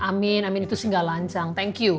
amin amin itu sih gak lancang thank you